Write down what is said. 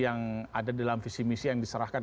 yang ada dalam visi misi yang diserahkan